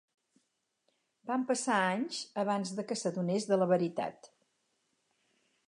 Van passar anys abans de que s'adonés de la veritat.